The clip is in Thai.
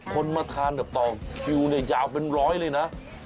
คนมาทานตากต่อคิ้วช่าย่าววงศาลก็ยาวไปร้อยเลยนะ